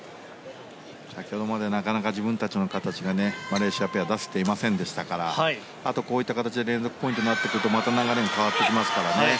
先ほどまでなかなか自分たちの形がマレーシアペアは出せていませんでしたからあと、こういった形で連続ポイントになってくるとまた流れが変わってきますからね。